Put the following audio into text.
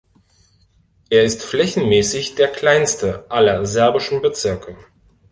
Er ist flächenmäßig der kleinste aller serbischen Bezirke.